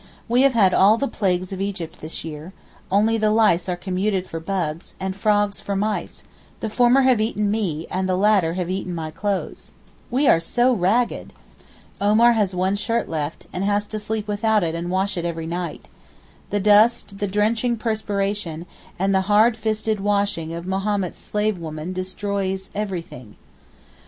We have had all the plagues of Egypt this year, only the lice are commuted for bugs, and the frogs for mice; the former have eaten me and the latter have eaten my clothes. We are so ragged! Omar has one shirt left, and has to sleep without and wash it every night. The dust, the drenching perspiration, and the hard fisted washing of Mahommed's slave women destroys everything.